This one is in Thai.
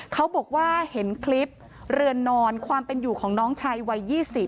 เขาบอกว่าเห็นคลิปเรือนนอนความเป็นอยู่ของน้องชายวัย๒๐